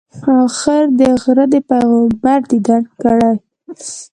آخر دې غره د پیغمبر دیدن کړی.